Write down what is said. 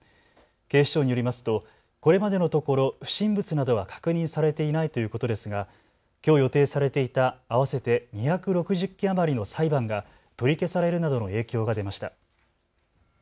警視庁によりますとこれまでのところ不審物などは確認されていないということですが、きょう予定されていた合わせて２６０件余りの裁判が取り消されるなどの影響が出ました。